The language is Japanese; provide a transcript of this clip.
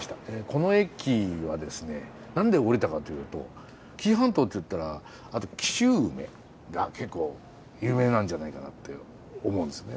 この駅はですね何で降りたかというと紀伊半島っていったら紀州梅が結構有名なんじゃないかなって思うんですね。